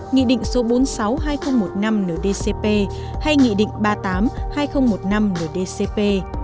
nghị định số bốn mươi sáu hai nghìn một mươi năm ndcp hay nghị định ba mươi tám hai nghìn một mươi năm ndcp